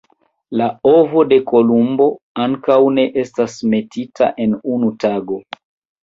La ovo de Kolumbo ankaŭ ne estas metita en unu tago!